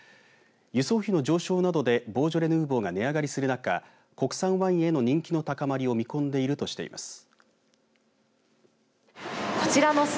輸送費の上昇などでボージョレ・ヌーボーが値上がりする中国産ワインへの人気の高まりを見込んでいるとしています。